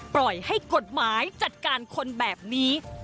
ปล่อยให้กฎหมายจัดการคนแบบนี้